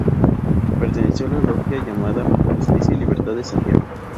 Perteneció a la Logia llamada Justicia y Libertad de Santiago.